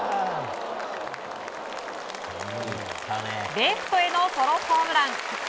レフトへのソロホームラン。